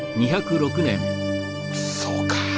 そうか。